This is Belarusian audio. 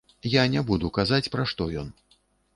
Я не буду казаць, пра што ён.